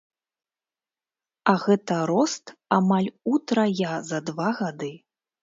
А гэта рост амаль утрая за два гады!